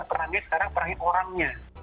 perangnya sekarang perangin orangnya